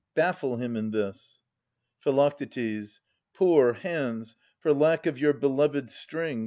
Baffle him in this. Phi. Poor hands, for lack of your beloved string.